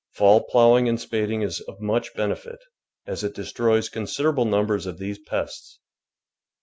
Fall ploughing and spading is of much benefit, as it de stroys considerable numbers of these pests.